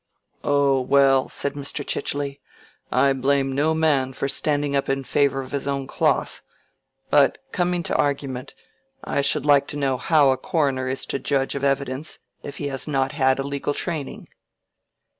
"Oh, well," said Mr. Chichely, "I blame no man for standing up in favor of his own cloth; but, coming to argument, I should like to know how a coroner is to judge of evidence if he has not had a legal training?"